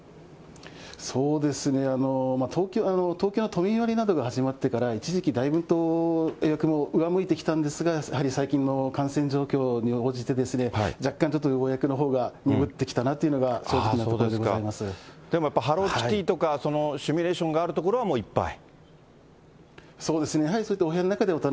そうですね、東京の都民割などが始まってから、一時期、だいぶ予約も上向いてきたんですが、やはり最近の感染状況に応じて、若干ちょっとご予約のほうが鈍ってきたなというのが正直なところでもやっぱりハローキティとか、そのシミュレーションがある所は、もういっぱい？